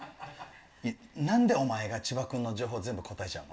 なんでお前が千葉君の情報全部答えちゃうの？